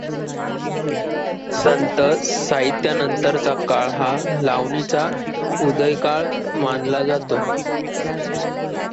संत साहित्यानंतरचा काळ हा लावणीचा उदयकाळ मानला जातो.